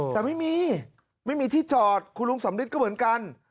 แต่ไม่มีไม่มีที่จอดคุณลุงสำริทก็เหมือนกัน